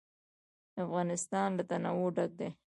افغانستان له تنوع ډک دی.